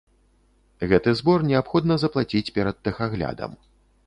Гэты збор неабходна заплаціць перад тэхаглядам.